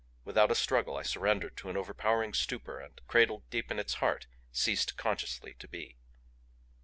Without a struggle I surrendered to an overpowering stupor and cradled deep in its heart ceased consciously to be.